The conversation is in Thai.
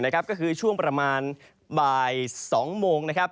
ก็คือช่วงประมาณบ่าย๒โมงนะครับ